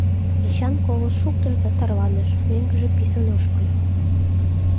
Эчан колышт шуктыш да тарваныш, мӧҥгыжӧ писын ошкыльо.